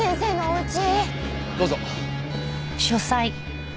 どうぞ。